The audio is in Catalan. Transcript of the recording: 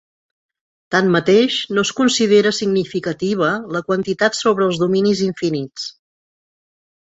Tanmateix, no es considera significativa la quantificació sobre els dominis infinits.